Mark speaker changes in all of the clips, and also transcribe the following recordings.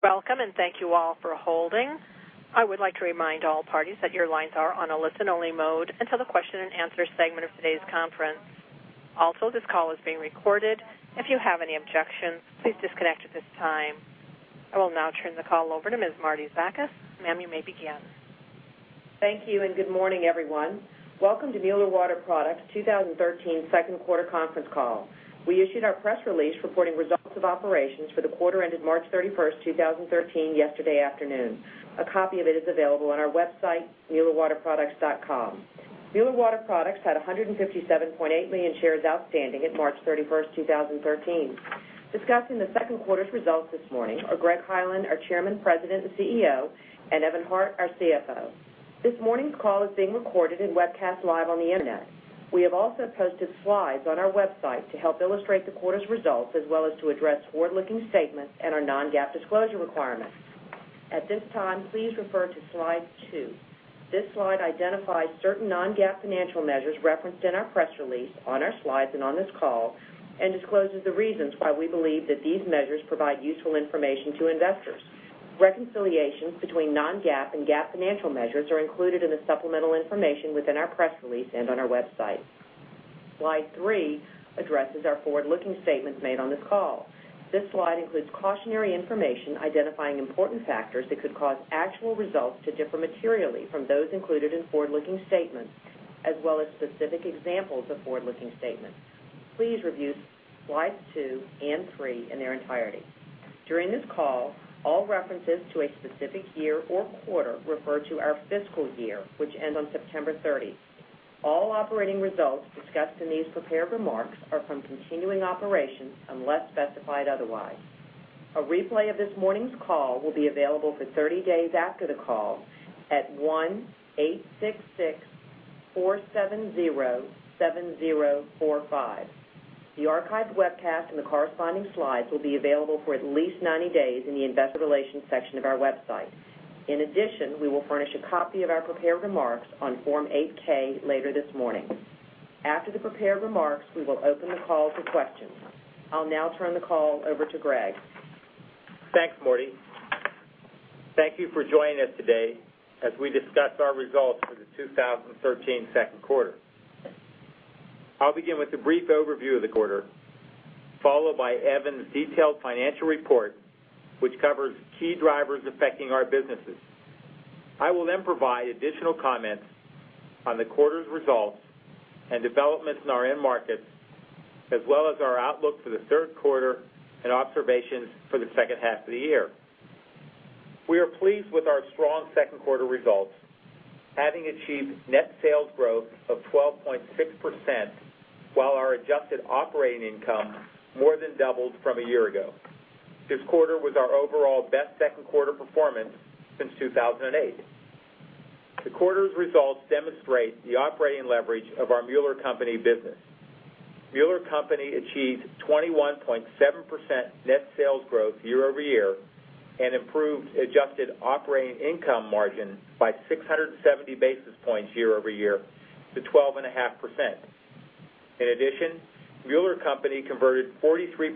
Speaker 1: Welcome, and thank you all for holding. I would like to remind all parties that your lines are on a listen-only mode until the question-and-answer segment of today's conference. Also, this call is being recorded. If you have any objections, please disconnect at this time. I will now turn the call over to Ms. Marietta Zakas. Ma'am, you may begin.
Speaker 2: Thank you, and good morning, everyone. Welcome to Mueller Water Products' 2013 second quarter conference call. We issued our press release reporting results of operations for the quarter ended March 31st, 2013, yesterday afternoon. A copy of it is available on our website, muellerwaterproducts.com. Mueller Water Products had 157.8 million shares outstanding at March 31st, 2013. Discussing the second quarter's results this morning are Greg Hyland, our Chairman, President, and CEO, and Evan Hart, our CFO. This morning's call is being recorded and webcast live on the internet. We have also posted slides on our website to help illustrate the quarter's results, as well as to address forward-looking statements and our non-GAAP disclosure requirements. At this time, please refer to Slide two. This slide identifies certain non-GAAP financial measures referenced in our press release, on our slides, and on this call, and discloses the reasons why we believe that these measures provide useful information to investors. Reconciliations between non-GAAP and GAAP financial measures are included in the supplemental information within our press release and on our website. Slide three addresses our forward-looking statements made on this call. This slide includes cautionary information identifying important factors that could cause actual results to differ materially from those included in forward-looking statements, as well as specific examples of forward-looking statements. Please review Slides two and three in their entirety. During this call, all references to a specific year or quarter refer to our fiscal year, which ends on September 30th. All operating results discussed in these prepared remarks are from continuing operations unless specified otherwise. A replay of this morning's call will be available for 30 days after the call at 1-866-470-7045. The archived webcast and the corresponding slides will be available for at least 90 days in the investor relations section of our website. In addition, we will furnish a copy of our prepared remarks on Form 8-K later this morning. After the prepared remarks, we will open the call to questions. I'll now turn the call over to Greg.
Speaker 3: Thanks, Marty. Thank you for joining us today as we discuss our results for the 2013 second quarter. I will begin with a brief overview of the quarter, followed by Evan's detailed financial report, which covers key drivers affecting our businesses. I will then provide additional comments on the quarter's results and developments in our end markets, as well as our outlook for the third quarter and observations for the second half of the year. We are pleased with our strong second quarter results, having achieved net sales growth of 12.6%, while our adjusted operating income more than doubled from a year ago. This quarter was our overall best second quarter performance since 2008. The quarter's results demonstrate the operating leverage of our Mueller Co. business. Mueller Co. achieved 21.7% net sales growth year-over-year and improved adjusted operating income margin by 670 basis points year-over-year to 12.5%. Mueller Co. converted 43%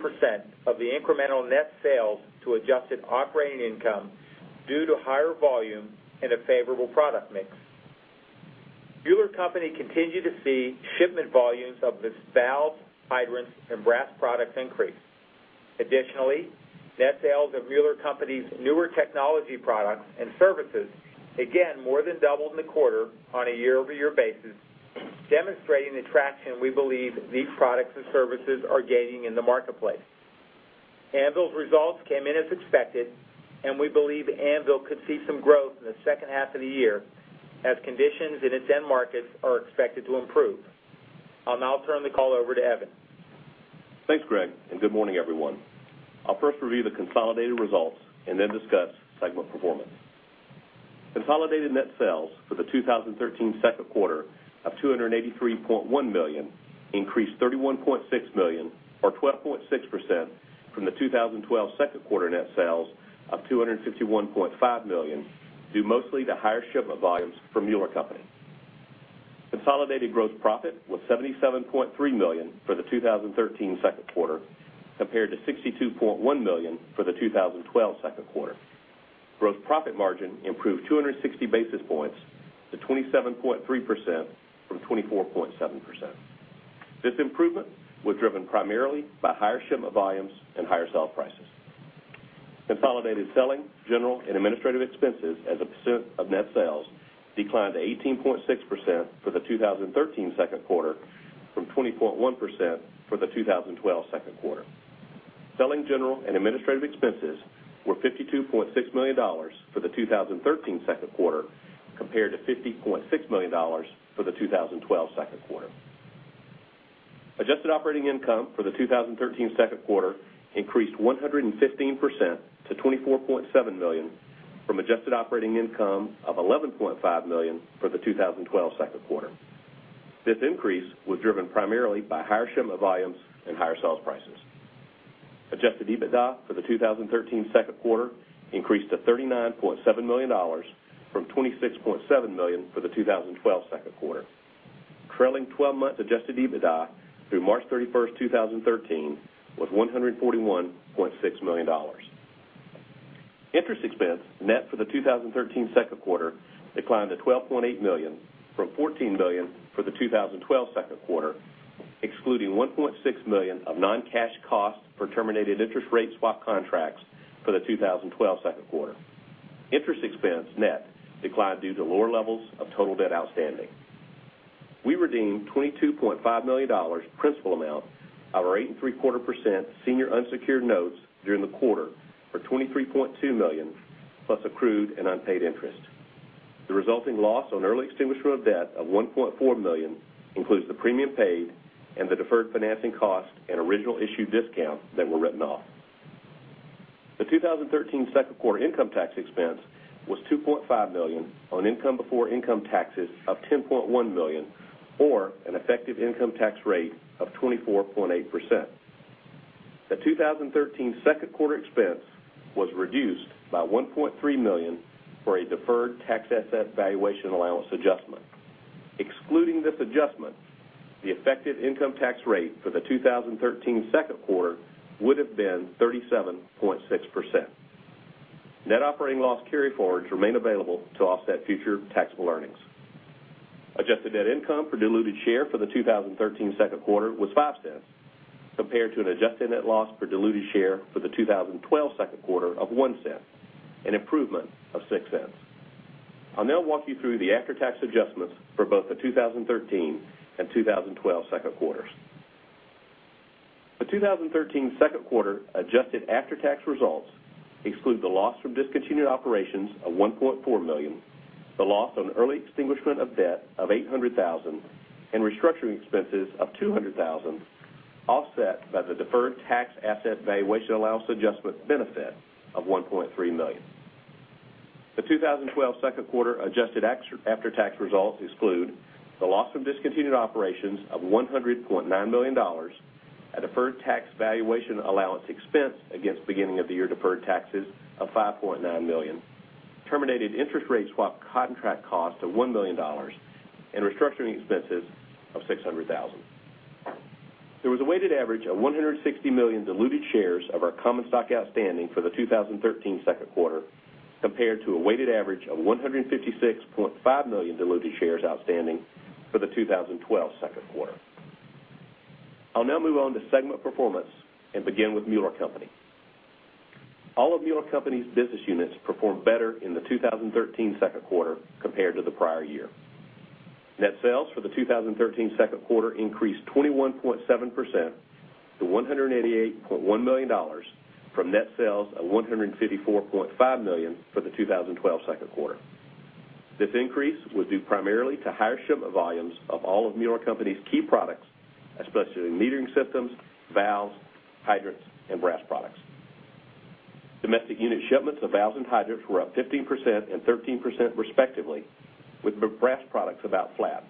Speaker 3: of the incremental net sales to adjusted operating income due to higher volume and a favorable product mix. Mueller Co. continued to see shipment volumes of its valves, hydrants, and brass products increase. Additionally, net sales of Mueller Co.'s newer technology products and services, again, more than doubled in the quarter on a year-over-year basis, demonstrating the traction we believe these products and services are gaining in the marketplace. Anvil's results came in as expected, and we believe Anvil could see some growth in the second half of the year as conditions in its end markets are expected to improve. I will now turn the call over to Evan.
Speaker 4: Thanks, Greg, and good morning, everyone. I will first review the consolidated results and then discuss segment performance. Consolidated net sales for the 2013 second quarter of $283.1 million increased $31.6 million or 12.6% from the 2012 second quarter net sales of $251.5 million, due mostly to higher shipment volumes for Mueller Co. Consolidated gross profit was $77.3 million for the 2013 second quarter, compared to $62.1 million for the 2012 second quarter. Gross profit margin improved 260 basis points to 27.3% from 24.7%. This improvement was driven primarily by higher shipment volumes and higher sales prices. Consolidated selling, general, and administrative expenses as a percent of net sales declined to 18.6% for the 2013 second quarter from 20.1% for the 2012 second quarter. Selling, general, and administrative expenses were $52.6 million for the 2013 second quarter compared to $50.6 million for the 2012 second quarter. Adjusted operating income for the 2013 second quarter increased 115% to $24.7 million from adjusted operating income of $11.5 million for the 2012 second quarter. This increase was driven primarily by higher shipment volumes and higher sales prices. Adjusted EBITDA for the 2013 second quarter increased to $39.7 million from $26.7 million for the 2012 second quarter. Trailing 12-month adjusted EBITDA through March 31, 2013, was $141.6 million. Interest expense net for the 2013 second quarter declined to $12.8 million from $14 million for the 2012 second quarter, excluding $1.6 million of non-cash costs for terminated interest rate swap contracts for the 2012 second quarter. Interest expense net declined due to lower levels of total debt outstanding. We redeemed $22.5 million principal amount of our 8.75% senior unsecured notes during the quarter for $23.2 million plus accrued and unpaid interest. The resulting loss on early extinguishment of debt of $1.4 million includes the premium paid and the deferred financing cost and original issue discount that were written off. The 2013 second quarter income tax expense was $2.5 million on income before income taxes of $10.1 million, or an effective income tax rate of 24.8%. The 2013 second quarter expense was reduced by $1.3 million for a deferred tax asset valuation allowance adjustment. Excluding this adjustment, the effective income tax rate for the 2013 second quarter would've been 37.6%. Net operating loss carryforwards remain available to offset future taxable earnings. Adjusted net income per diluted share for the 2013 second quarter was $0.05 compared to an adjusted net loss per diluted share for the 2012 second quarter of $0.01, an improvement of $0.06. I'll now walk you through the after-tax adjustments for both the 2013 and 2012 second quarters. The 2013 second quarter adjusted after-tax results exclude the loss from discontinued operations of $1.4 million, the loss on early extinguishment of debt of $800,000, and restructuring expenses of $200,000, offset by the deferred tax asset valuation allowance adjustment benefit of $1.3 million. The 2012 second quarter adjusted after-tax results exclude the loss from discontinued operations of $100.9 million, a deferred tax valuation allowance expense against beginning of the year deferred taxes of $5.9 million, terminated interest rate swap contract cost of $1 million, and restructuring expenses of $600,000. There was a weighted average of 160 million diluted shares of our common stock outstanding for the 2013 second quarter compared to a weighted average of 156.5 million diluted shares outstanding for the 2012 second quarter. I'll now move on to segment performance and begin with Mueller Co. All of Mueller Co.'s business units performed better in the 2013 second quarter compared to the prior year. Net sales for the 2013 second quarter increased 21.7% to $188.1 million from net sales of $154.5 million for the 2012 second quarter. This increase was due primarily to higher shipment volumes of all of Mueller Co.'s key products, especially metering systems, valves, hydrants, and brass products. Domestic unit shipments of valves and hydrants were up 15% and 13% respectively, with brass products about flat.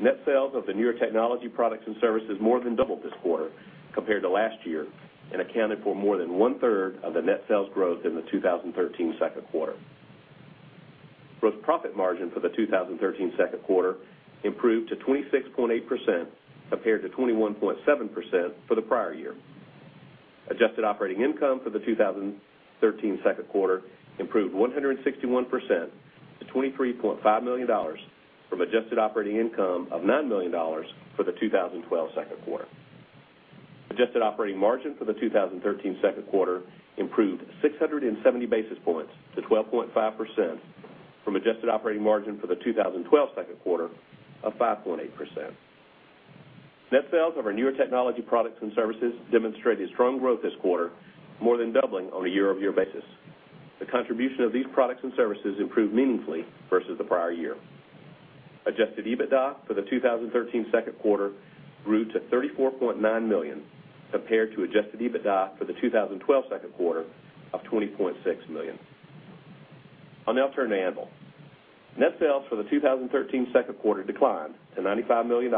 Speaker 4: Net sales of the newer technology products and services more than doubled this quarter compared to last year and accounted for more than one-third of the net sales growth in the 2013 second quarter. Gross profit margin for the 2013 second quarter improved to 26.8% compared to 21.7% for the prior year. Adjusted operating income for the 2013 second quarter improved 161% to $23.5 million from adjusted operating income of $9 million for the 2012 second quarter. Adjusted operating margin for the 2013 second quarter improved 670 basis points to 12.5% from adjusted operating margin for the 2012 second quarter of 5.8%. Net sales of our newer technology products and services demonstrated strong growth this quarter, more than doubling on a year-over-year basis. The contribution of these products and services improved meaningfully versus the prior year. Adjusted EBITDA for the 2013 second quarter grew to $34.9 million compared to adjusted EBITDA for the 2012 second quarter of $20.6 million. I'll now turn to Anvil. Net sales for the 2013 second quarter declined to $95 million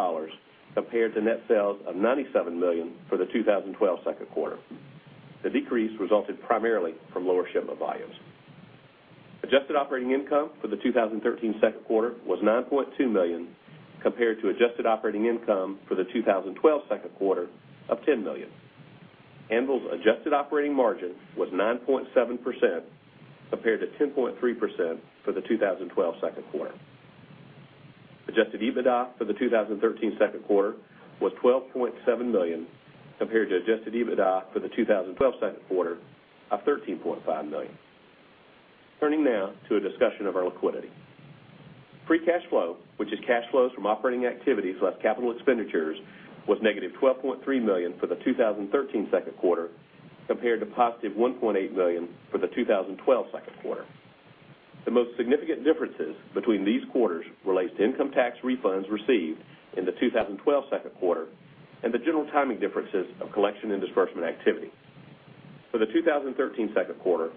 Speaker 4: compared to net sales of $97 million for the 2012 second quarter. The decrease resulted primarily from lower shipment volumes. Adjusted operating income for the 2013 second quarter was $9.2 million compared to adjusted operating income for the 2012 second quarter of $10 million. Anvil's adjusted operating margin was 9.7% compared to 10.3% for the 2012 second quarter. Adjusted EBITDA for the 2013 second quarter was $12.7 million compared to adjusted EBITDA for the 2012 second quarter of $13.5 million. Turning now to a discussion of our liquidity. Free cash flow, which is cash flows from operating activities less capital expenditures, was negative $12.3 million for the 2013 second quarter compared to positive $1.8 million for the 2012 second quarter. The most significant differences between these quarters relates to income tax refunds received in the 2012 second quarter and the general timing differences of collection and disbursement activity. For the 2013 second quarter,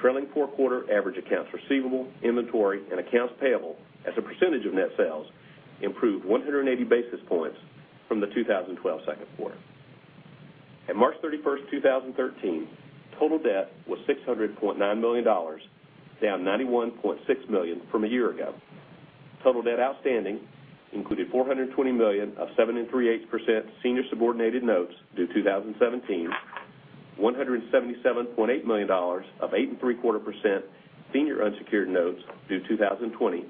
Speaker 4: trailing four quarter average accounts receivable, inventory, and accounts payable as a percentage of net sales improved 180 basis points from the 2012 second quarter. At March 31st, 2013, total debt was $600.9 million, down $91.6 million from a year ago. Total debt outstanding included $420 million of 7.375% senior subordinated notes due 2017, $177.8 million of 8.75% senior unsecured notes due 2020,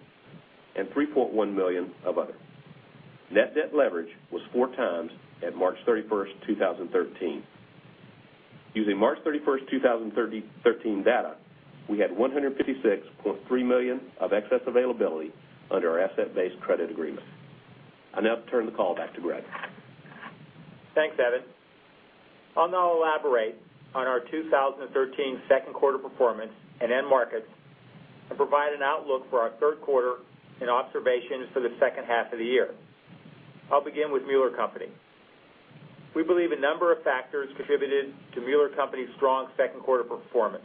Speaker 4: and $3.1 million of other. Net debt leverage was four times at March 31st, 2013. Using March 31st, 2013 data, we had $156.3 million of excess availability under our asset-based credit agreement. I now turn the call back to Greg.
Speaker 3: Thanks, Evan. I'll now elaborate on our 2013 second quarter performance and end markets, and provide an outlook for our third quarter and observations for the second half of the year. I'll begin with Mueller Co. We believe a number of factors contributed to Mueller Co.'s strong second quarter performance.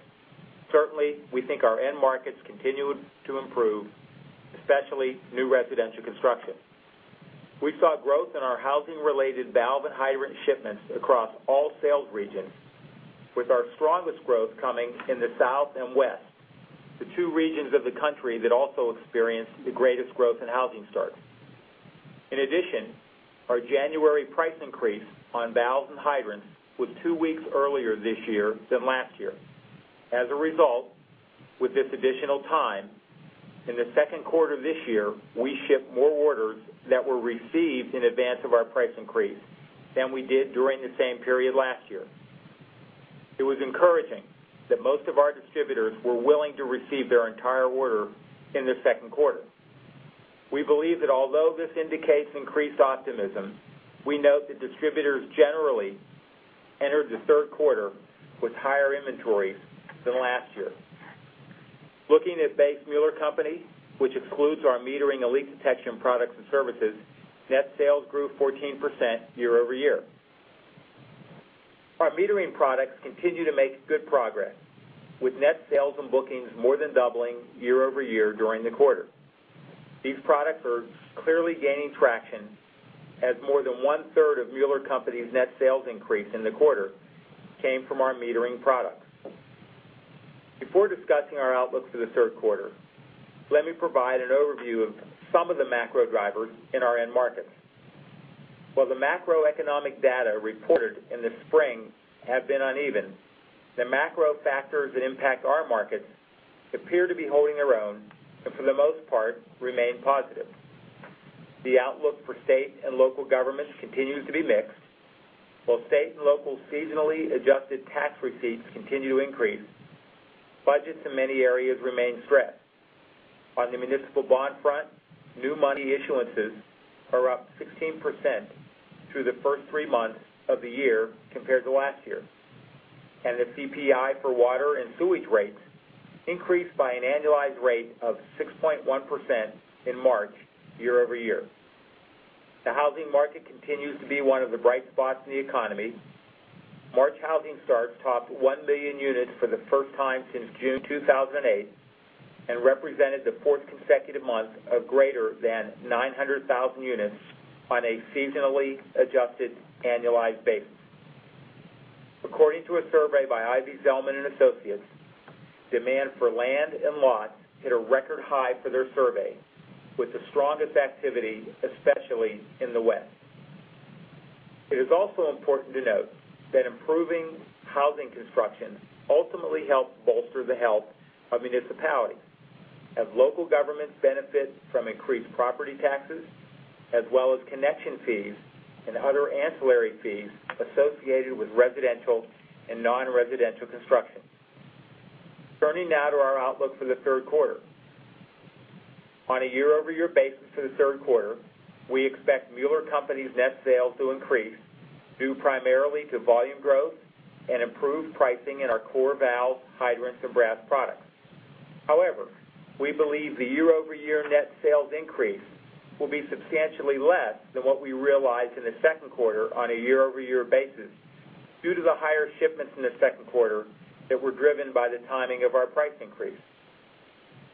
Speaker 3: Certainly, we think our end markets continued to improve, especially new residential construction. We saw growth in our housing-related valve and hydrant shipments across all sales regions, with our strongest growth coming in the South and West, the two regions of the country that also experienced the greatest growth in housing starts. In addition, our January price increase on valves and hydrants was two weeks earlier this year than last year. As a result, with this additional time, in the second quarter this year, we shipped more orders that were received in advance of our price increase than we did during the same period last year. It was encouraging that most of our distributors were willing to receive their entire order in the second quarter. We believe that although this indicates increased optimism, we note that distributors generally entered the third quarter with higher inventories than last year. Looking at base Mueller Co., which excludes our metering and leak detection products and services, net sales grew 14% year-over-year. Our metering products continue to make good progress, with net sales and bookings more than doubling year-over-year during the quarter. These products are clearly gaining traction, as more than one-third of Mueller Co.'s net sales increase in the quarter came from our metering products. Before discussing our outlook for the third quarter, let me provide an overview of some of the macro drivers in our end markets. While the macroeconomic data reported in the spring have been uneven, the macro factors that impact our markets appear to be holding their own, and for the most part, remain positive. The outlook for state and local governments continues to be mixed. While state and local seasonally adjusted tax receipts continue to increase, budgets in many areas remain stressed. On the municipal bond front, new money issuances are up 16% through the first three months of the year compared to last year. The CPI for water and sewage rates increased by an annualized rate of 6.1% in March, year-over-year. The housing market continues to be one of the bright spots in the economy. March housing starts topped 1 million units for the first time since June 2008, and represented the fourth consecutive month of greater than 900,000 units on a seasonally adjusted annualized basis. According to a survey by Ivy Zelman & Associates, demand for land and lots hit a record high for their survey, with the strongest activity, especially in the West. It is also important to note that improving housing construction ultimately helps bolster the health of municipalities, as local governments benefit from increased property taxes, as well as connection fees and other ancillary fees associated with residential and non-residential construction. Turning now to our outlook for the third quarter. On a year-over-year basis for the third quarter, we expect Mueller Co.'s net sales to increase, due primarily to volume growth and improved pricing in our core valve, hydrants, and brass products. However, we believe the year-over-year net sales increase will be substantially less than what we realized in the second quarter on a year-over-year basis due to the higher shipments in the second quarter that were driven by the timing of our price increase.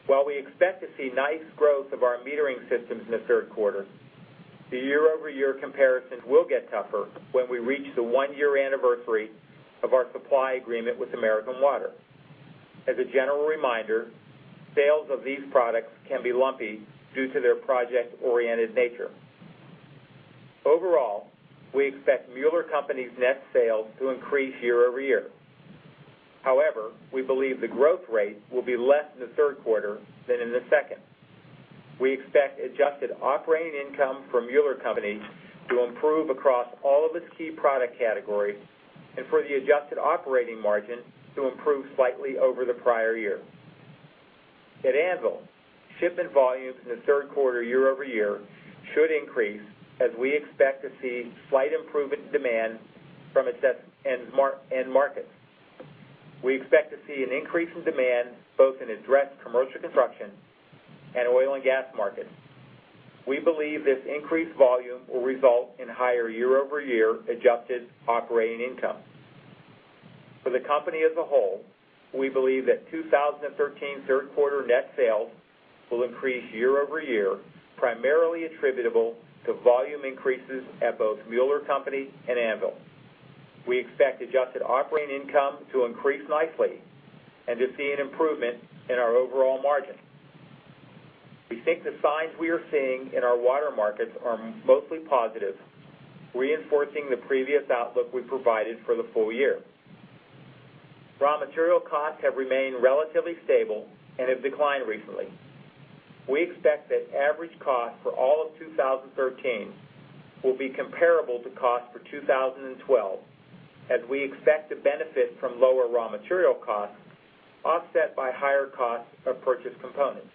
Speaker 3: While we expect to see nice growth of our metering systems in the third quarter, the year-over-year comparisons will get tougher when we reach the one-year anniversary of our supply agreement with American Water. As a general reminder, sales of these products can be lumpy due to their project-oriented nature. Overall, we expect Mueller Co.'s net sales to increase year-over-year. However, we believe the growth rate will be less in the third quarter than in the second. We expect adjusted operating income from Mueller Co. to improve across all of its key product categories, and for the adjusted operating margin to improve slightly over the prior year. At Anvil, shipment volumes in the third quarter year-over-year should increase as we expect to see slight improvement in demand from its end markets. We expect to see an increase in demand both in across commercial construction and oil and gas markets. We believe this increased volume will result in higher year-over-year adjusted operating income. For the company as a whole, we believe that 2013 third quarter net sales will increase year-over-year, primarily attributable to volume increases at both Mueller Co. and Anvil. We expect adjusted operating income to increase nicely and to see an improvement in our overall margin. We think the signs we are seeing in our water markets are mostly positive, reinforcing the previous outlook we provided for the full year. Raw material costs have remained relatively stable and have declined recently. We expect that average cost for all of 2013 will be comparable to cost for 2012, as we expect to benefit from lower raw material costs offset by higher costs of purchased components.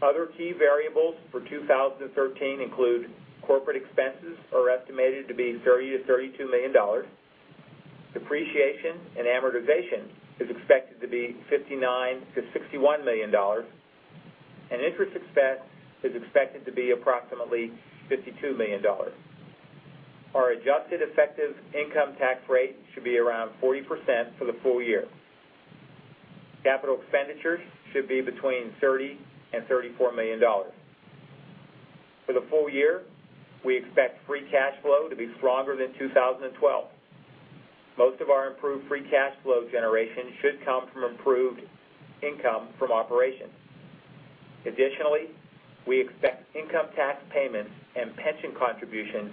Speaker 3: Other key variables for 2013 include corporate expenses are estimated to be $30 million-$32 million, depreciation and amortization is expected to be $59 million-$61 million, and interest expense is expected to be approximately $52 million. Our adjusted effective income tax rate should be around 40% for the full year. Capital expenditures should be between $30 million and $34 million. For the full year, we expect free cash flow to be stronger than 2012. Most of our improved free cash flow generation should come from improved income from operations. We expect income tax payments and pension contributions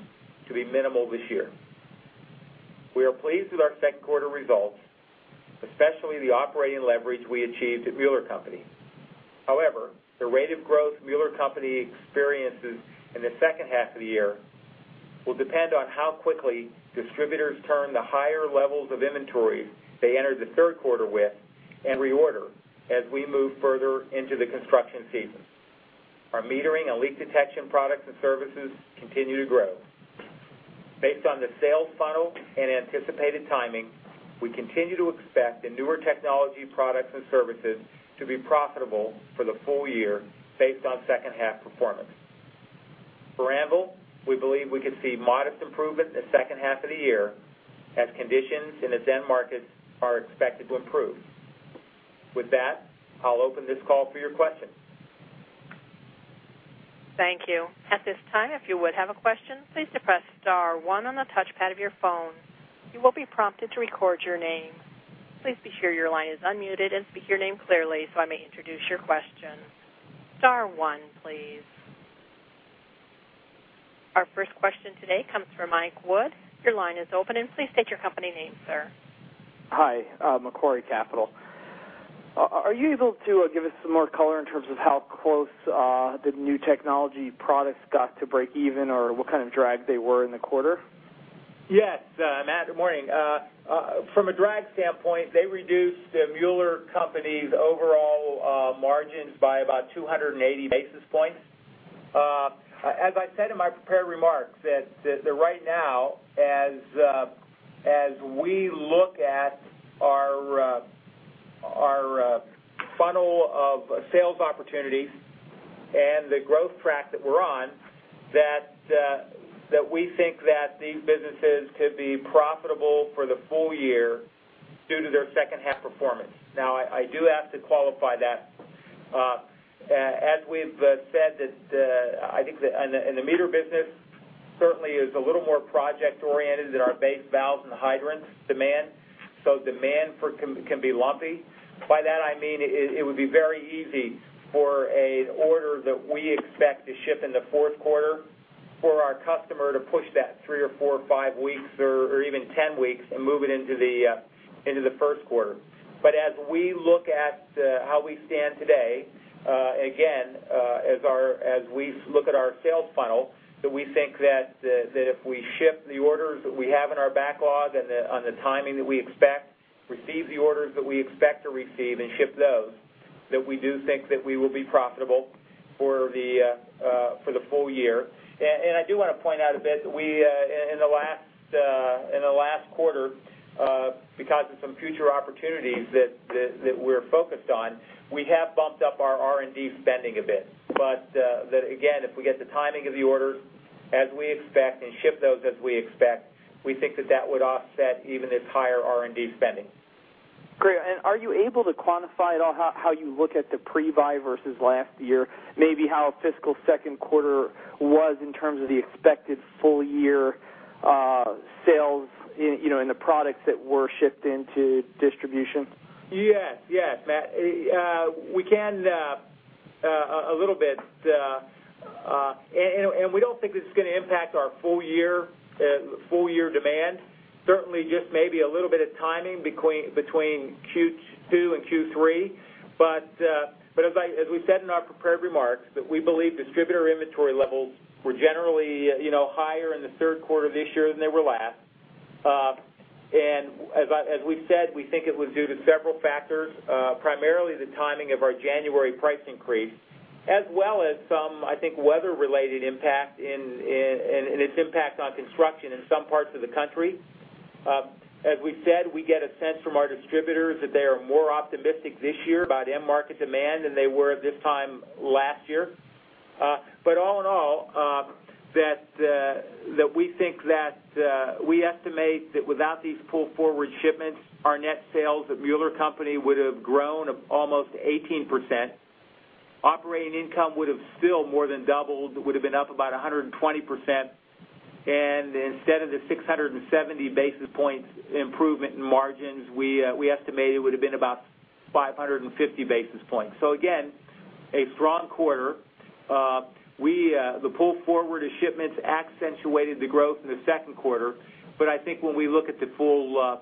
Speaker 3: to be minimal this year. We are pleased with our second quarter results, especially the operating leverage we achieved at Mueller Co. The rate of growth Mueller Co. experiences in the second half of the year will depend on how quickly distributors turn the higher levels of inventory they enter the third quarter with and reorder as we move further into the construction season. Our metering and leak detection products and services continue to grow. Based on the sales funnel and anticipated timing, we continue to expect the newer technology products and services to be profitable for the full year based on second half performance. For Anvil, we believe we could see modest improvement in the second half of the year as conditions in the end markets are expected to improve. I'll open this call for your questions.
Speaker 1: Thank you. At this time, if you would have a question, please depress star one on the touchpad of your phone. You will be prompted to record your name. Please be sure your line is unmuted and speak your name clearly so I may introduce your question. Star one, please. Our first question today comes from Mike Wood. Your line is open, please state your company name, sir.
Speaker 5: Hi. Macquarie Capital. Are you able to give us some more color in terms of how close the new technology products got to break even, or what kind of drag they were in the quarter?
Speaker 3: Yes, Mike, good morning. From a drag standpoint, they reduced Mueller Co.'s overall margins by about 280 basis points. As I said in my prepared remarks, that right now, as we look at our funnel of sales opportunities and the growth track that we're on, that we think that these businesses could be profitable for the full year due to their second half performance. I do have to qualify that. As we've said, I think in the meter business, certainly is a little more project-oriented than our base valves and hydrants demand, so demand can be lumpy. By that I mean it would be very easy for an order that we expect to ship in the fourth quarter for our customer to push that three or four or five weeks, or even 10 weeks, and move it into the first quarter. As we look at how we stand today, again, as we look at our sales funnel, that we think that if we ship the orders that we have in our backlog on the timing that we expect, receive the orders that we expect to receive and ship those, that we do think that we will be profitable for the full year. I do want to point out a bit that we, in the last quarter, because of some future opportunities that we're focused on, we have bumped up our R&D spending a bit. Again, if we get the timing of the orders as we expect and ship those as we expect, we think that that would offset even this higher R&D spending.
Speaker 5: Great. Are you able to quantify at all how you look at the pre-buy versus last year? Maybe how fiscal second quarter was in terms of the expected full-year sales in the products that were shipped into distribution?
Speaker 3: Yes. Mike, we can a little bit. We don't think this is going to impact our full year demand. Certainly, just maybe a little bit of timing between Q2 and Q3. As we said in our prepared remarks, we believe distributor inventory levels were generally higher in the third quarter of this year than they were last. As we've said, we think it was due to several factors, primarily the timing of our January price increase, as well as some, I think, weather-related impact and its impact on construction in some parts of the country. As we said, we get a sense from our distributors that they are more optimistic this year about end market demand than they were at this time last year. All in all, we estimate that without these pull-forward shipments, our net sales at Mueller Co. would have grown almost 18%. Operating income would have still more than doubled, would have been up about 120%, and instead of the 670 basis points improvement in margins, we estimate it would have been about 550 basis points. Again, a strong quarter. The pull forward of shipments accentuated the growth in the second quarter, I think when we look at the full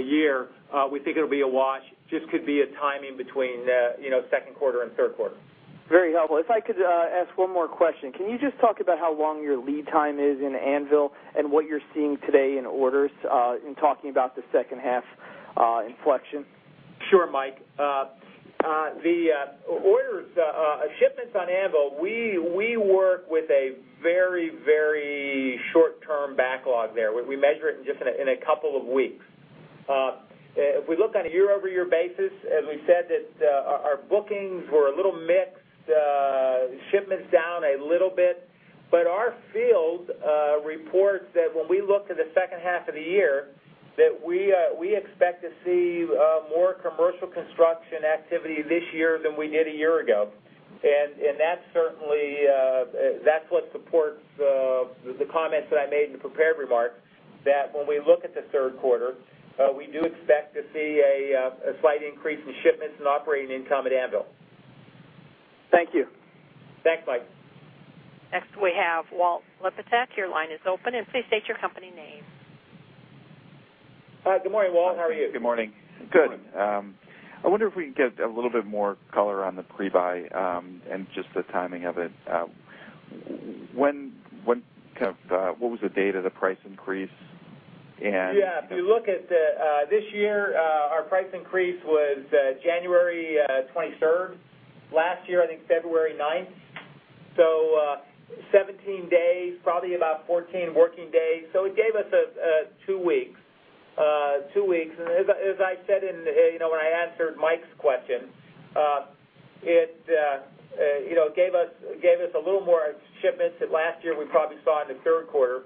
Speaker 3: year, we think it'll be a wash. Just could be a timing between second quarter and third quarter.
Speaker 5: Very helpful. If I could ask one more question, can you just talk about how long your lead time is in Anvil and what you're seeing today in orders in talking about the second half inflection?
Speaker 3: Sure, Mike. Shipments on Anvil, we work with a very short-term backlog there. We measure it in just in a couple of weeks. If we look on a year-over-year basis, as we said, our bookings were a little mixed, shipments down a little bit. Our field reports that when we look to the second half of the year, that we expect to see more commercial construction activity this year than we did a year ago. That's what supports the comments that I made in the prepared remarks, that when we look at the third quarter, we do expect to see a slight increase in shipments and operating income at Anvil.
Speaker 5: Thank you.
Speaker 3: Thanks, Mike.
Speaker 1: Next we have Walter Liptak. Your line is open, and please state your company name.
Speaker 3: Hi. Good morning, Walt. How are you?
Speaker 6: Good morning. Good. I wonder if we could get a little bit more color on the pre-buy and just the timing of it. What was the date of the price increase and-
Speaker 3: Yeah. If you look at this year, our price increase was January 23rd. Last year, I think February 9th. 17 days, probably about 14 working days. It gave us two weeks. As I said when I answered Mike's question, it gave us a little more shipments that last year we probably saw in the third quarter.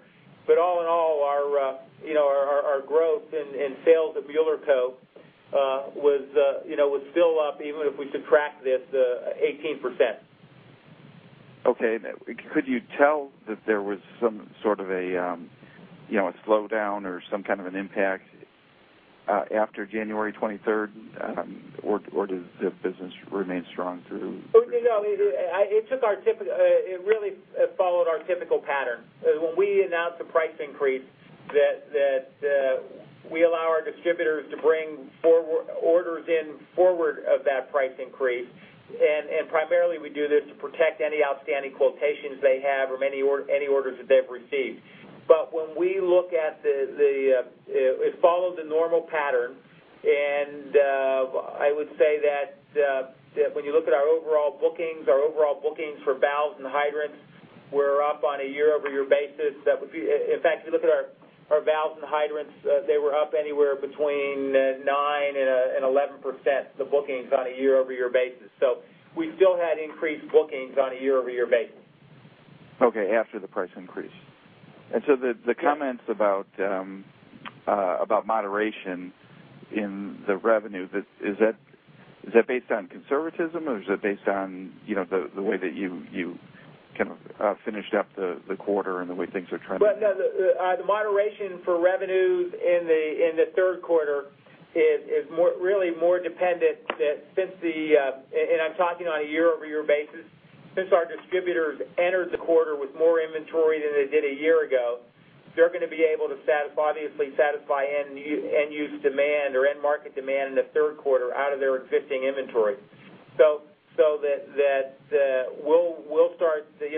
Speaker 3: All in all, our growth in sales at Mueller Co. was still up, even if we subtract this 18%.
Speaker 6: Okay. Could you tell that there was some sort of a slowdown or some kind of an impact after January 23rd, or did the business remain strong through?
Speaker 3: It really followed our typical pattern. When we announced the price increase, we allow our distributors to bring orders in forward of that price increase. Primarily, we do this to protect any outstanding quotations they have from any orders that they've received. It followed the normal pattern, and I would say that when you look at our overall bookings, our overall bookings for valves and hydrants were up on a year-over-year basis. In fact, if you look at our valves and hydrants, they were up anywhere between 9% and 11%, the bookings on a year-over-year basis. We still had increased bookings on a year-over-year basis.
Speaker 6: Okay, after the price increase. The comments about moderation in the revenue, is that based on conservatism, or is it based on the way that you kind of finished up the quarter and the way things are trending?
Speaker 3: The moderation for revenues in the third quarter is really more dependent that since I'm talking on a year-over-year basis. Since our distributors entered the quarter with more inventory than they did a year ago, they're going to be able to obviously satisfy end use demand or end market demand in the third quarter out of their existing inventory.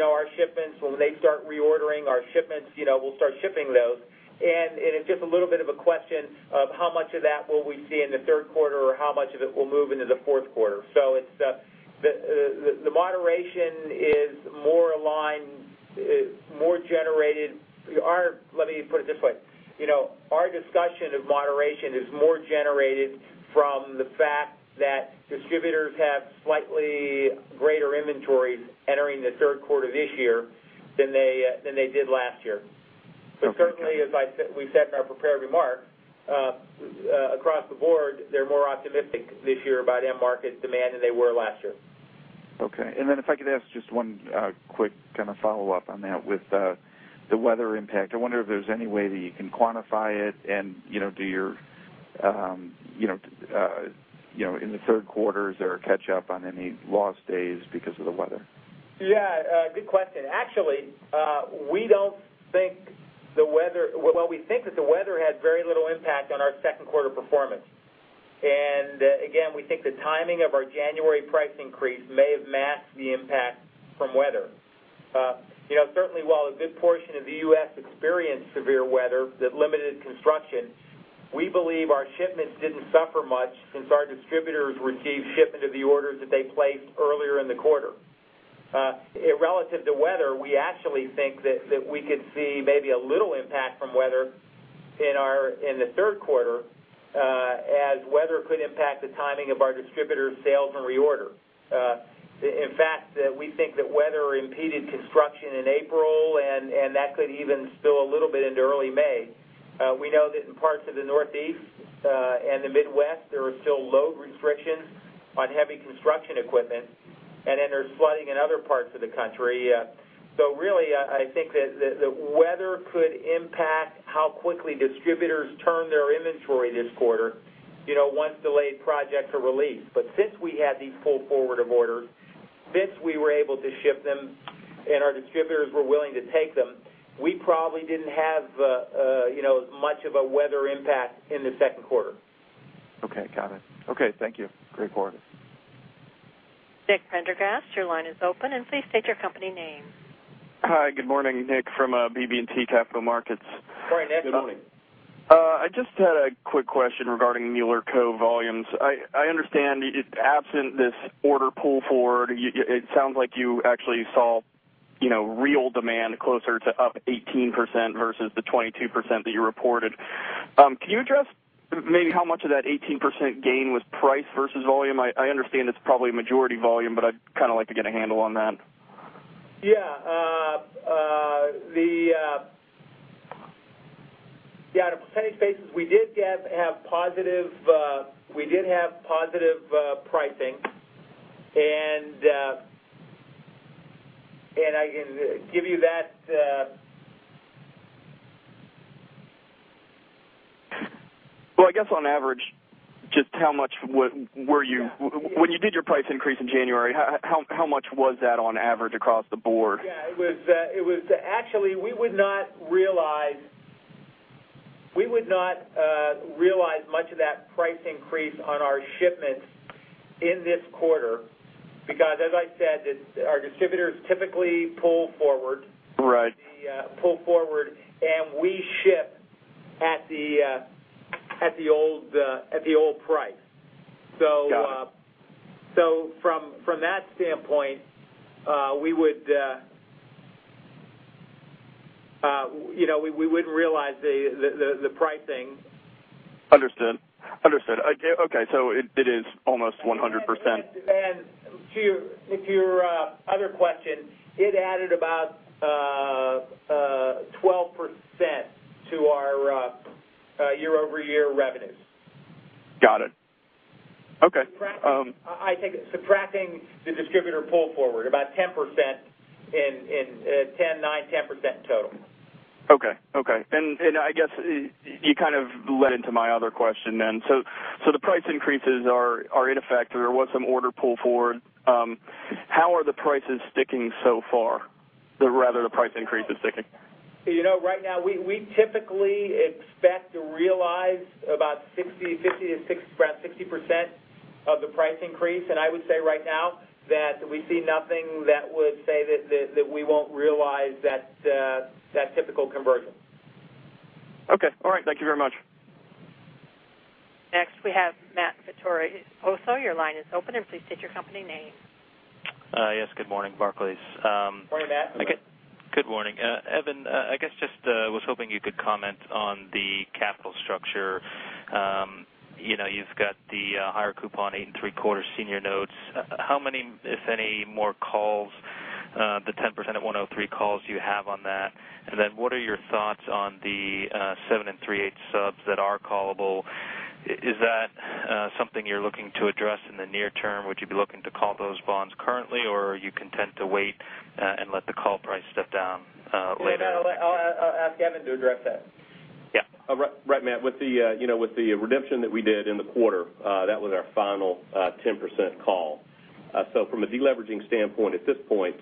Speaker 3: Our shipments, when they start reordering our shipments, we'll start shipping those. It's just a little bit of a question of how much of that will we see in the third quarter, or how much of it will move into the fourth quarter. Let me put it this way. Our discussion of moderation is more generated from the fact that distributors have slightly greater inventories entering the third quarter this year than they did last year.
Speaker 6: Okay.
Speaker 3: Certainly, as we said in our prepared remarks, across the board, they're more optimistic this year about end market demand than they were last year.
Speaker 6: Okay. If I could ask just one quick kind of follow-up on that. With the weather impact, I wonder if there's any way that you can quantify it and in the third quarter, is there a catch up on any lost days because of the weather?
Speaker 3: Yeah. Good question. Actually, we think that the weather had very little impact on our second quarter performance. Again, we think the timing of our January price increase may have masked the impact from weather. Certainly while a good portion of the U.S. experienced severe weather that limited construction, we believe our shipments didn't suffer much since our distributors received shipment of the orders that they placed earlier in the quarter. Relative to weather, we actually think that we could see maybe a little impact from weather in the third quarter. Weather could impact the timing of our distributor sales and reorder. In fact, we think that weather impeded construction in April, that could even spill a little bit into early May. We know that in parts of the Northeast and the Midwest, there are still load restrictions on heavy construction equipment. There's flooding in other parts of the country. I think that the weather could impact how quickly distributors turn their inventory this quarter, once delayed projects are released. Since we had these pull forward of orders, since we were able to ship them, and our distributors were willing to take them, we probably didn't have as much of a weather impact in the second quarter.
Speaker 6: Okay. Got it. Okay. Thank you. Great quarter.
Speaker 1: Nicholas Prendergast, your line is open, please state your company name.
Speaker 7: Hi, good morning. Nick from BB&T Capital Markets.
Speaker 3: Sorry, Nick. Good morning.
Speaker 7: I just had a quick question regarding Mueller Co volumes. I understand, absent this order pull forward, it sounds like you actually saw real demand closer to up 18% versus the 22% that you reported. Can you address maybe how much of that 18% gain was price versus volume? I understand it's probably majority volume, but I'd like to get a handle on that.
Speaker 3: Yeah. On a percentage basis, we did have positive pricing. I can give you that.
Speaker 7: Well, I guess on average, when you did your price increase in January, how much was that on average across the board?
Speaker 3: Yeah. Actually, we would not realize much of that price increase on our shipments in this quarter because, as I said, our distributors typically pull forward.
Speaker 7: Right.
Speaker 3: They pull forward, and we ship at the old price.
Speaker 7: Got it.
Speaker 3: From that standpoint, we wouldn't realize the pricing.
Speaker 7: Understood. Okay. It is almost 100%.
Speaker 3: To your other question, it added about 12% to our year-over-year revenues.
Speaker 7: Got it. Okay.
Speaker 3: I take it subtracting the distributor pull forward, about 10% total.
Speaker 7: Okay. I guess you kind of led into my other question then. The price increases are in effect. There was some order pull forward. How are the prices sticking so far, rather the price increases sticking?
Speaker 3: Right now, we typically expect to realize about 60% of the price increase. I would say right now that we see nothing that would say that we won't realize that typical conversion.
Speaker 7: Okay. All right. Thank you very much.
Speaker 1: Next we have Matt Vittorioso. Also, your line is open, and please state your company name.
Speaker 8: Yes, good morning. Barclays.
Speaker 3: Morning, Matt.
Speaker 8: Good morning. Evan, I guess just was hoping you could comment on the capital structure. You've got the higher coupon 8.75 senior notes. How many, if any, more calls, the 10% at 103 calls you have on that? Then what are your thoughts on the 7.375 subs that are callable? Is that something you're looking to address in the near term? Would you be looking to call those bonds currently, or are you content to wait and let the call price step down later?
Speaker 3: No, I'll ask Evan to address that.
Speaker 8: Yeah.
Speaker 4: Right, Matt. With the redemption that we did in the quarter, that was our final 10% call. From a de-leveraging standpoint at this point,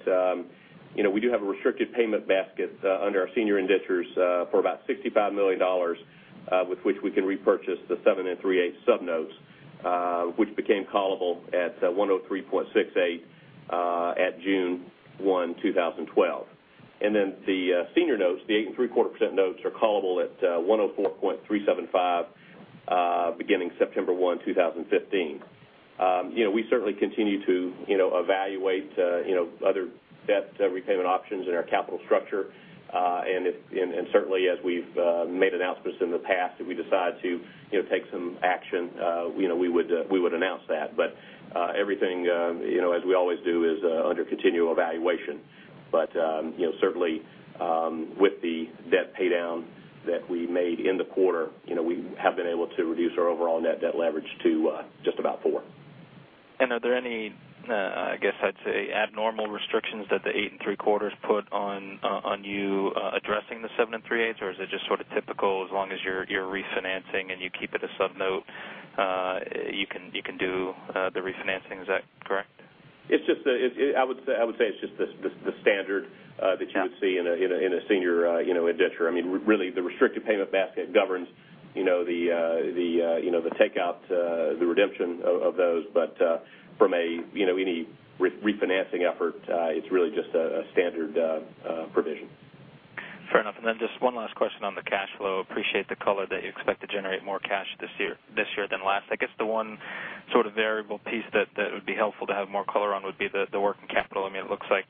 Speaker 4: we do have a restricted payment basket under our senior indentures for about $65 million with which we can repurchase the seven and three-eight sub notes, which became callable at 103.68 at June 1, 2012. The senior notes, the 8.75% notes are callable at 104.375 beginning September 1, 2015. We certainly continue to evaluate other debt repayment options in our capital structure. Certainly as we've made announcements in the past, if we decide to take some action, we would announce that. Everything, as we always do, is under continual evaluation. Certainly, with the debt pay down that we made in the quarter, we have been able to reduce our overall net debt leverage to just about four.
Speaker 8: Are there any, I guess I'd say, abnormal restrictions that the eight and three-quarters put on you addressing the seven and three-eights? Is it just sort of typical as long as you're refinancing and you keep it a sub note, you can do the refinancing? Is that correct?
Speaker 4: I would say it's just the standard that you would see in a senior indenture. Really, the restricted payment basket governs the takeout, the redemption of those. From any refinancing effort, it's really just a standard provision.
Speaker 8: Fair enough. Just one last question on the cash flow. Appreciate the color that you expect to generate more cash this year than last. I guess the one sort of variable piece that it would be helpful to have more color on would be the working capital. It looks like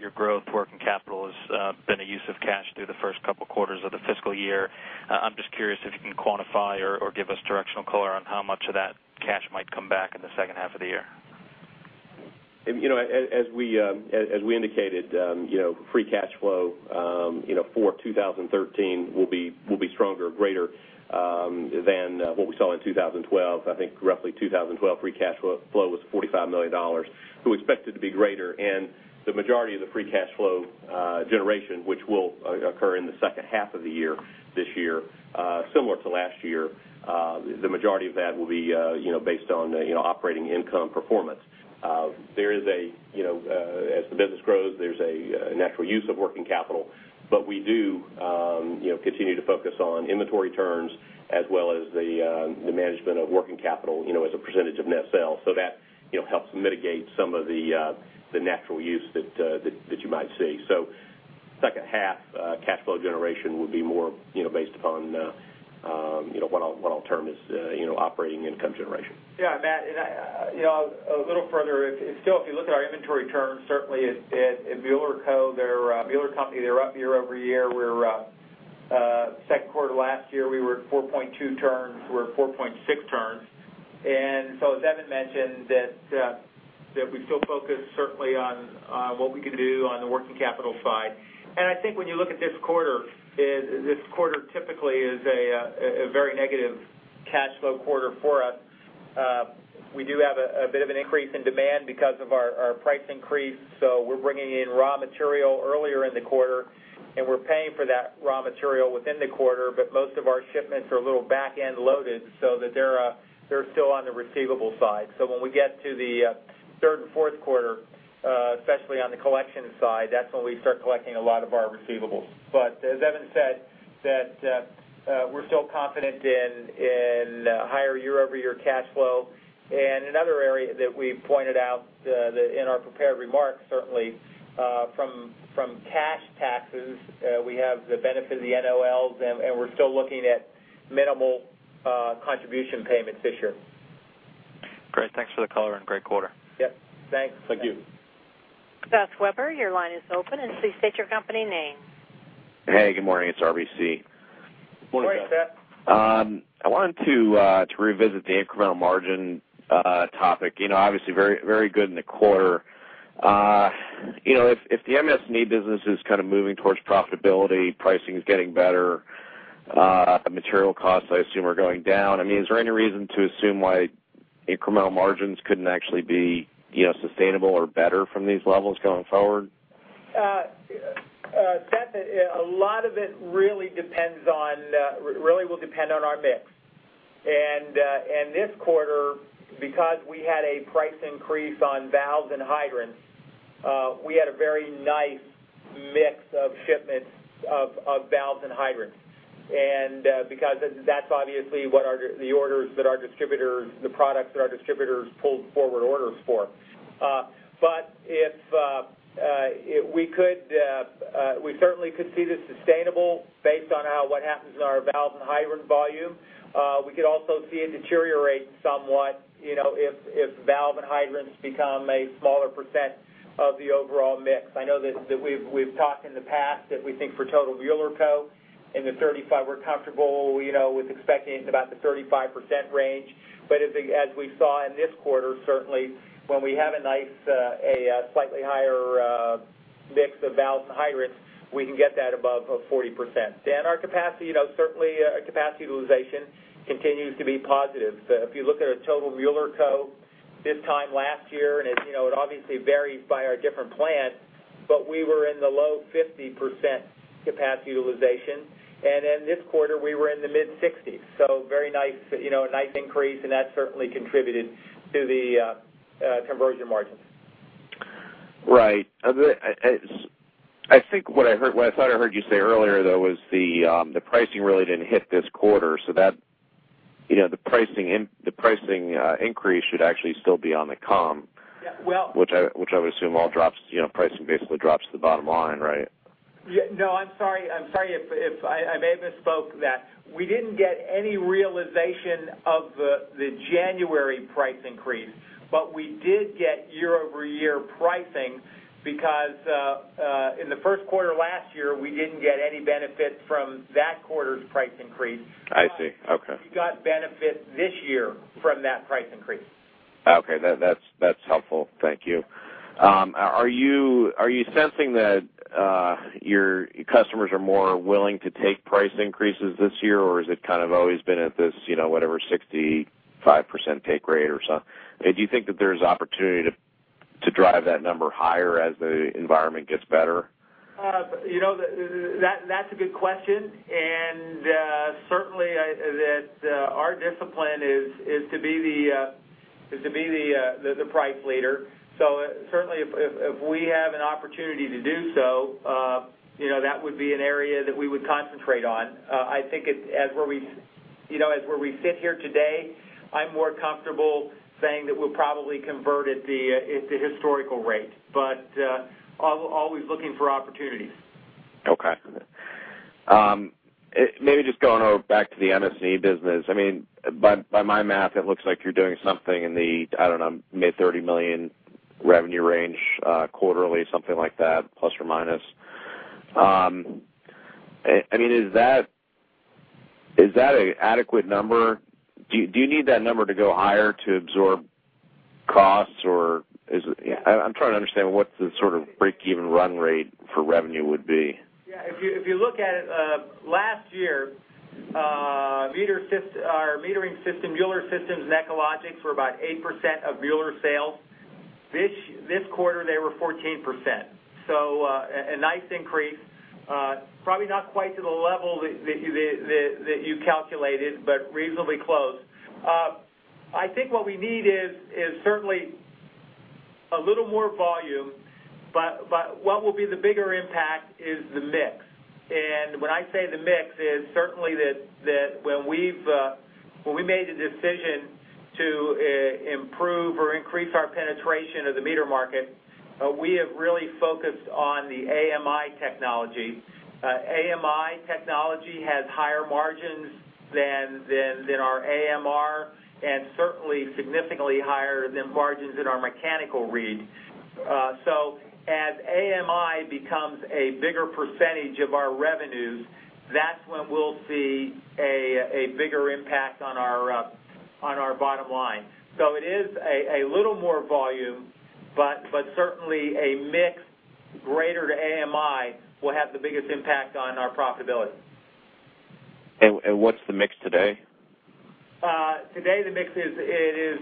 Speaker 8: your growth working capital has been a use of cash through the first couple quarters of the fiscal year. I am just curious if you can quantify or give us directional color on how much of that cash might come back in the second half of the year.
Speaker 4: As we indicated, free cash flow for 2013 will be stronger, greater than what we saw in 2012. I think roughly 2012 free cash flow was $45 million. We expect it to be greater, the majority of the free cash flow generation, which will occur in the second half of the year this year similar to last year, the majority of that will be based on operating income performance. As the business grows, there is a natural use of working capital. We do continue to focus on inventory turns as well as the management of working capital as a percentage of net sales. That helps mitigate some of the natural use that you might see. Second half cash flow generation will be more based upon what I will term as operating income generation.
Speaker 3: Yeah, Matt, a little further, still if you look at our inventory turns, certainly at Mueller Co., Mueller Company, they are up year-over-year, where second quarter last year, we were at 4.2 turns, we are at 4.6 turns. As Evan mentioned, that we still focus certainly on what we can do on the working capital side. I think when you look at this quarter, this quarter typically is a very negative cash flow quarter for us. We do have a bit of an increase in demand because of our price increase, we are bringing in raw material earlier in the quarter, we are paying for that raw material within the quarter, most of our shipments are a little back-end loaded so that they are still on the receivable side. When we get to the third and fourth quarter, especially on the collection side, that is when we start collecting a lot of our receivables. As Evan said, that we are still confident in higher year-over-year cash flow. Another area that we pointed out in our prepared remarks, certainly, from cash taxes, we have the benefit of the NOLs, we are still looking at minimal contribution payments this year.
Speaker 8: Great. Thanks for the color and great quarter.
Speaker 3: Yep. Thanks.
Speaker 4: Thank you.
Speaker 1: Seth Weber, your line is open, and please state your company name.
Speaker 9: Hey, good morning. It's RBC.
Speaker 4: Morning, Seth.
Speaker 3: Morning.
Speaker 9: I wanted to revisit the incremental margin topic. Obviously very good in the quarter. If the [MS/ME business] is kind of moving towards profitability, pricing is getting better, material costs I assume are going down. Is there any reason to assume why incremental margins couldn't actually be sustainable or better from these levels going forward?
Speaker 3: Seth, a lot of it really will depend on our mix. This quarter, because we had a price increase on valves and hydrants, we had a very nice mix of shipments of valves and hydrants. Because that's obviously the orders that our distributors, the products that our distributors pulled forward orders for. We certainly could see this sustainable based on what happens in our valves and hydrant volume. We could also see it deteriorate somewhat if valve and hydrants become a smaller percent of the overall mix. I know that we've talked in the past that we think for total Mueller Co, we're comfortable with expecting about the 35% range. As we saw in this quarter, certainly when we have a slightly higher mix of valves and hydrants, we can get that above 40%. Our capacity, certainly our capacity utilization continues to be positive. If you look at a total Mueller Co this time last year, and it obviously varies by our different plants, but we were in the low 50% capacity utilization. In this quarter, we were in the mid-60s. Very nice increase, and that certainly contributed to the conversion margins.
Speaker 9: Right. I think what I thought I heard you say earlier, though, was the pricing really didn't hit this quarter, so the pricing increase should actually still be on the.
Speaker 3: Yeah.
Speaker 9: which I would assume pricing basically drops to the bottom line, right?
Speaker 3: No, I'm sorry. I may have misspoke that. We didn't get any realization of the January price increase, but we did get year-over-year pricing because in the first quarter last year, we didn't get any benefit from that quarter's price increase.
Speaker 9: I see. Okay.
Speaker 3: We got benefit this year from that price increase.
Speaker 9: Okay. That's helpful. Thank you. Are you sensing that your customers are more willing to take price increases this year, or has it kind of always been at this, whatever, 65% take rate or so? Do you think that there's opportunity to drive that number higher as the environment gets better?
Speaker 3: Certainly our discipline is to be the price leader. Certainly if we have an opportunity to do so, that would be an area that we would concentrate on. I think as where we sit here today, I am more comfortable saying that we will probably convert at the historical rate, but always looking for opportunities.
Speaker 9: Okay. Just going over back to the [NSE business]. By my math, it looks like you are doing something in the, I do not know, mid $30 million revenue range quarterly, something like that, plus or minus. Is that an adequate number? Do you need that number to go higher to absorb costs? I am trying to understand what the sort of break-even run rate for revenue would be.
Speaker 3: Yeah. If you look at it, last year, our metering system, Mueller Systems and Echologics, were about 8% of Mueller sales. This quarter, they were 14%. A nice increase. Probably not quite to the level that you calculated, but reasonably close. I think what we need is certainly a little more volume, but what will be the bigger impact is the mix. When I say the mix is certainly that when we made the decision to improve or increase our penetration of the meter market, we have really focused on the AMI technology. AMI technology has higher margins than our AMR, and certainly significantly higher than margins in our mechanical read. As AMI becomes a bigger percentage of our revenues, that is when we will see a bigger impact on our bottom line. It is a little more volume, but certainly a mix greater to AMI will have the biggest impact on our profitability.
Speaker 9: What's the mix today?
Speaker 3: Today, the mix it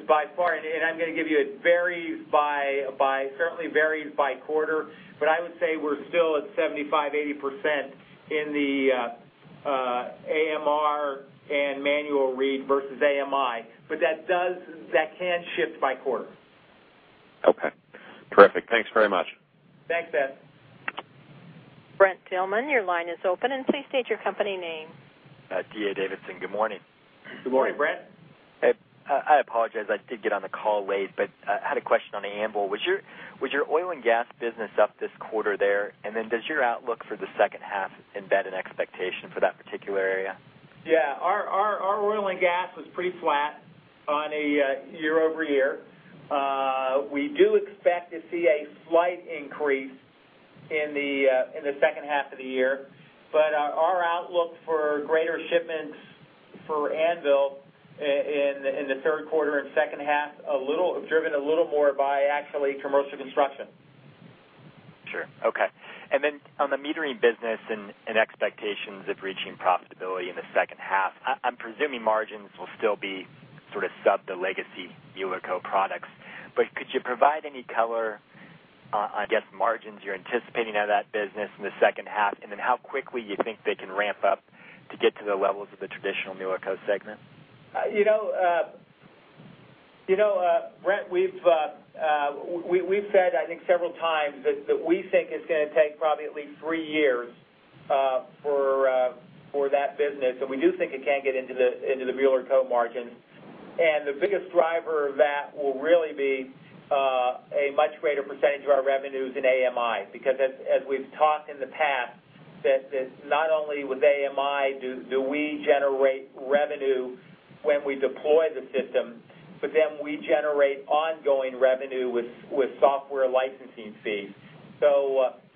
Speaker 3: is by far, I'm going to give you, it certainly varies by quarter, I would say we're still at 75%, 80% in the AMR and manual read versus AMI. That can shift by quarter.
Speaker 9: Okay. Terrific. Thanks very much.
Speaker 3: Thanks, Seth.
Speaker 1: Brent Thielman, your line is open, and please state your company name.
Speaker 10: D.A. Davidson. Good morning.
Speaker 3: Good morning, Brent.
Speaker 10: I apologize. I did get on the call late, but I had a question on Anvil. Was your oil and gas business up this quarter there, and then does your outlook for the second half embed an expectation for that particular area?
Speaker 3: Yeah. Our oil and gas was pretty flat on a year-over-year. We do expect to see a slight increase in the second half of the year, but our outlook for greater shipments for Anvil in the third quarter and second half, driven a little more by actually commercial construction.
Speaker 10: Sure. Okay. On the metering business and expectations of reaching profitability in the second half, I'm presuming margins will still be sort of sub the legacy Mueller Co products. Could you provide any color on, I guess, margins you're anticipating out of that business in the second half, how quickly you think they can ramp up to get to the levels of the traditional Mueller Co segment?
Speaker 3: Brent, we've said, I think, several times that we think it's going to take probably at least three years for that business. We do think it can get into the Mueller Co margins. The biggest driver of that will really be a much greater percentage of our revenues in AMI. As we've talked in the past, that not only with AMI do we generate revenue when we deploy the system, we generate ongoing revenue with software licensing fees.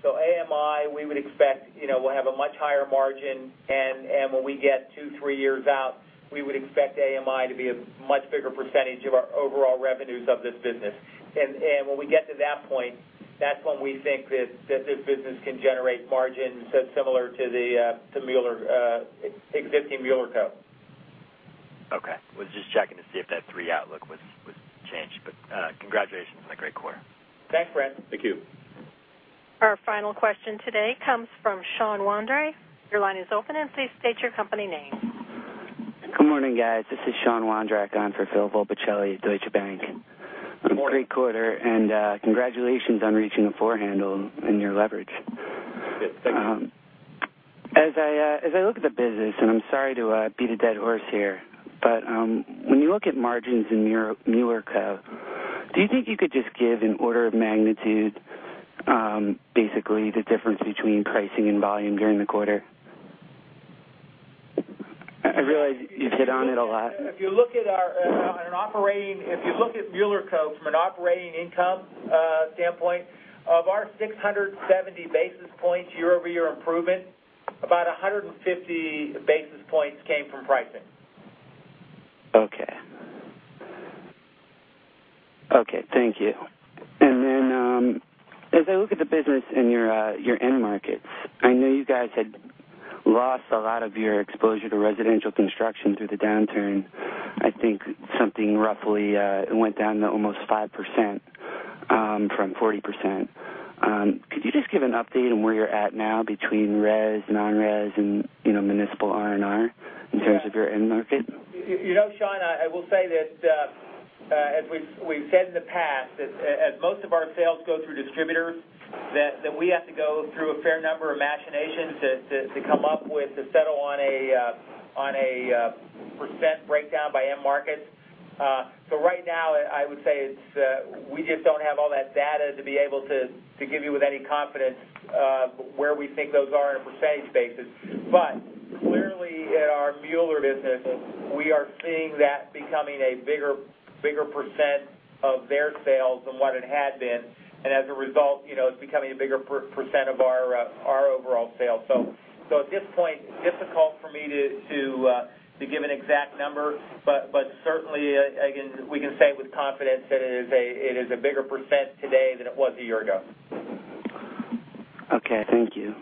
Speaker 3: AMI, we would expect will have a much higher margin, and when we get two, three years out, we would expect AMI to be a much bigger percentage of our overall revenues of this business. When we get to that point, that's when we think that this business can generate margins similar to existing Mueller Co.
Speaker 10: Okay. Was just checking to see if that three outlook was changed. Congratulations on the great quarter.
Speaker 3: Thanks, Brent.
Speaker 10: Thank you.
Speaker 1: Our final question today comes from Sean Wondrack. Your line is open. Please state your company name.
Speaker 11: Good morning, guys. This is Sean Wondrak on for Phil Albacelli, Deutsche Bank.
Speaker 3: Good morning.
Speaker 11: Great quarter, congratulations on reaching a four handle in your leverage.
Speaker 3: Thank you.
Speaker 11: As I look at the business, I'm sorry to beat a dead horse here, but when you look at margins in Mueller Co, do you think you could just give an order of magnitude, basically the difference between pricing and volume during the quarter? I realize you've hit on it a lot.
Speaker 3: If you look at Mueller Co. from an operating income standpoint, of our 670 basis points year-over-year improvement, about 150 basis points came from pricing.
Speaker 11: Thank you. As I look at the business in your end markets, I know you guys had lost a lot of your exposure to residential construction through the downturn. I think something roughly went down to almost 5% from 40%. Could you just give an update on where you're at now between res and non-res and municipal R&R in terms of your end market?
Speaker 3: Sean, I will say that as we've said in the past, that as most of our sales go through distributors, that we have to go through a fair number of machinations to settle on a % breakdown by end markets. I would say we just don't have all that data to be able to give you with any confidence where we think those are on a % basis. Clearly in our Mueller business, we are seeing that becoming a bigger % of their sales than what it had been. As a result, it's becoming a bigger % of our overall sales. At this point, difficult for me to give an exact number, but certainly, again, we can say with confidence that it is a bigger % today than it was a year ago.
Speaker 11: Thank you.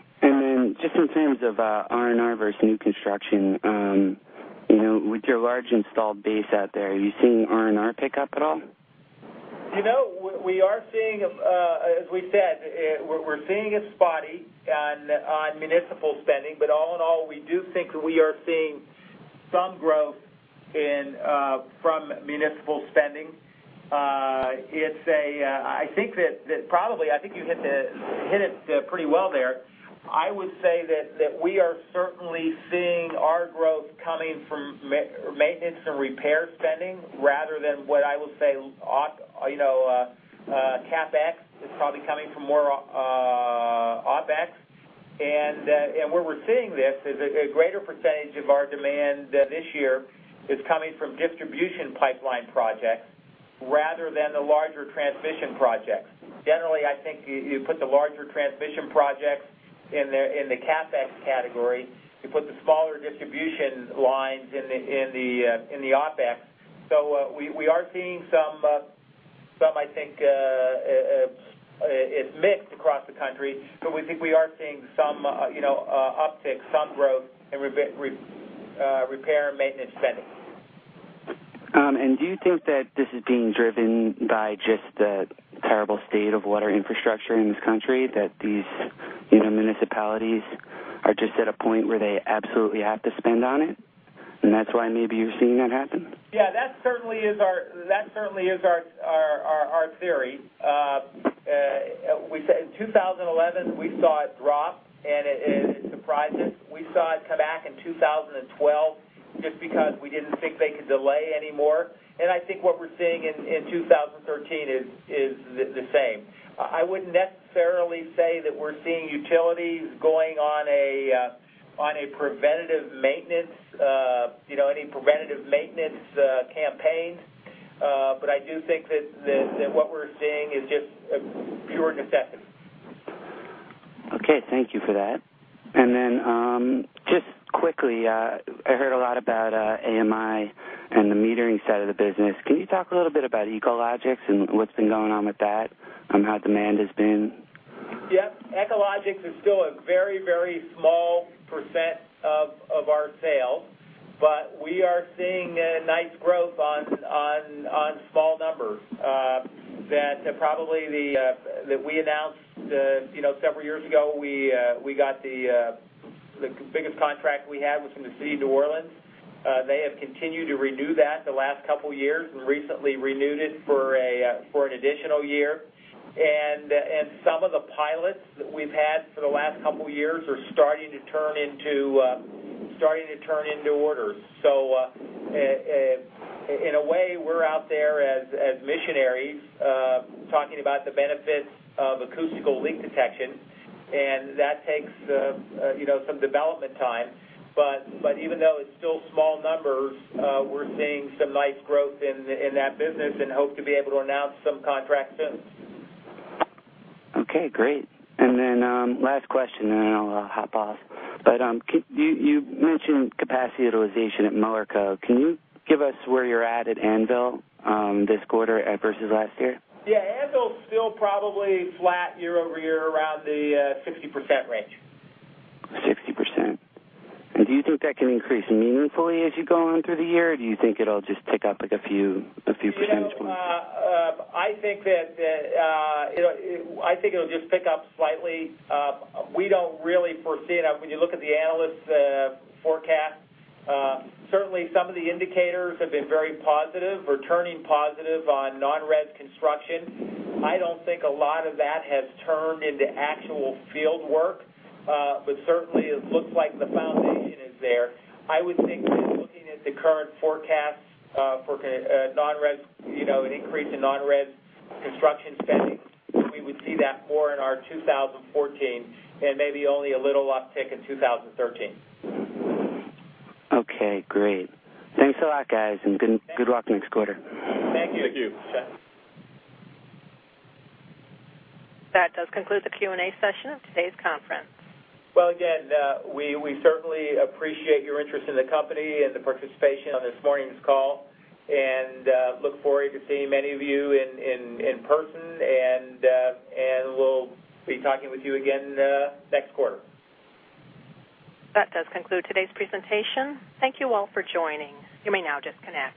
Speaker 11: Just in terms of R&R versus new construction, with your large installed base out there, are you seeing R&R pick up at all?
Speaker 3: We are seeing, as we said, we're seeing it's spotty on municipal spending. All in all, we do think we are seeing some growth from municipal spending. Probably, I think you hit it pretty well there. I would say that we are certainly seeing our growth coming from maintenance and repair spending rather than what I will say CapEx is probably coming from more OpEx. Where we're seeing this is a greater percentage of our demand this year is coming from distribution pipeline projects rather than the larger transmission projects. Generally, I think you put the larger transmission projects in the CapEx category. You put the smaller distribution lines in the OpEx. We are seeing, I think it's mixed across the country, but we think we are seeing some uptick, some growth in repair and maintenance spending.
Speaker 11: Do you think that this is being driven by just the terrible state of water infrastructure in this country, that these municipalities are just at a point where they absolutely have to spend on it, and that's why maybe you're seeing that happen?
Speaker 3: Yeah, that certainly is our theory. In 2011, we saw it drop, and it surprised us. We saw it come back in 2012 just because we didn't think they could delay anymore. I think what we're seeing in 2013 is the same. I wouldn't necessarily say that we're seeing utilities going on a preventative maintenance campaign. I do think that what we're seeing is just pure necessity.
Speaker 11: Okay. Thank you for that. Then just quickly, I heard a lot about AMI and the metering side of the business. Can you talk a little bit about Echologics and what's been going on with that, how demand has been?
Speaker 3: Yep. Echologics is still a very, very small % of our sales, but we are seeing a nice growth on small numbers. That probably that we announced several years ago, we got the biggest contract we had was from the city of New Orleans. They have continued to renew that the last couple of years and recently renewed it for an additional year. Some of the pilots that we've had for the last couple of years are starting to turn into orders. In a way, we're out there as missionaries talking about the benefits of acoustical leak detection, and that takes some development time. Even though it's still small numbers, we're seeing some nice growth in that business and hope to be able to announce some contracts soon.
Speaker 11: Okay, great. Last question, I'll hop off. You mentioned capacity utilization at Mueller Co. Can you give us where you're at at Anvil this quarter versus last year?
Speaker 3: Yeah. Anvil's still probably flat year-over-year around the 60% range.
Speaker 11: 60%. Do you think that can increase meaningfully as you go on through the year, or do you think it'll just tick up like a few percentage points?
Speaker 3: I think it'll just tick up slightly. We don't really foresee it. When you look at the analyst forecast, certainly some of the indicators have been very positive or turning positive on non-res construction. I don't think a lot of that has turned into actual fieldwork, but certainly it looks like the foundation is there. I would think that looking at the current forecasts for an increase in non-res construction spending, we would see that more in our 2014 and maybe only a little uptick in 2013.
Speaker 11: Okay, great. Thanks a lot, guys, and good luck next quarter.
Speaker 3: Thank you.
Speaker 12: Thank you.
Speaker 3: Thanks.
Speaker 1: That does conclude the Q&A session of today's conference.
Speaker 3: Well, again, we certainly appreciate your interest in the company and the participation on this morning's call, and look forward to seeing many of you in person. We'll be talking with you again next quarter.
Speaker 1: That does conclude today's presentation. Thank you all for joining. You may now disconnect.